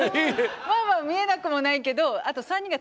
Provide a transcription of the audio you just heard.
まあまあ見えなくもないけど１周した時に。